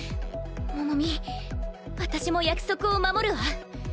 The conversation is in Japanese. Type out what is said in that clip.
モモミ私も約束を守るわ。